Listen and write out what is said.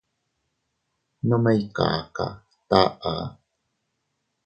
Nome ikaka taʼa.